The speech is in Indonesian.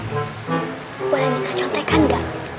boleh minta contekan gak